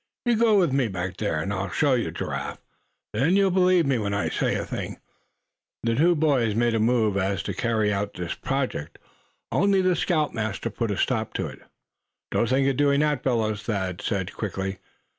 You go with me back there, and I'll show you, Giraffe. Then you'll believe me when I say a thing." The two boys made a move as if to carry out this project, only the scoutmaster put a stop to it. "Don't think of doing that, fellows," Thad said, quickly.